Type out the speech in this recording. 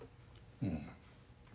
うん。